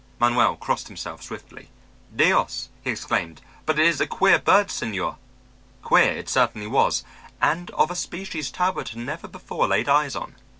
Manuel crossed himself swiftly. "Dios!" he exclaimed, "but it is a queer bird, señor." Queer, it certainly was, and of a species Talbot had never before laid eyes on.